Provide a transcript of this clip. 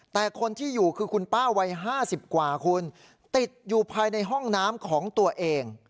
แต่คนที่อยู่คือคุณป้าวัย๕๐กว่าคุณติดอยู่ภายในห้องน้ำของตัวเอง